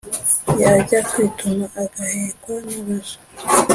yajya kwituma agahekwa nabaja,